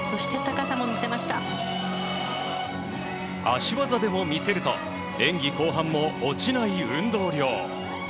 脚技でも見せると演技後半も落ちない運動量。